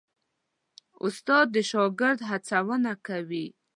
استاد د شاګرد هڅونه کوي.